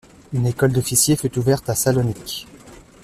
Une école d'officiers fut ouverte à Salonique.